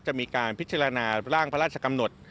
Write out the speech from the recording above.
จะมีการพิจารณาร่างพระราชกำหนด